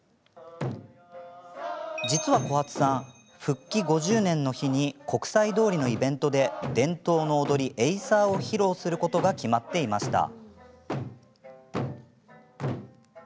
実は、小波津さん復帰５０年の日に国際通りのイベントで伝統の踊りエイサーを披露することが決まっていました。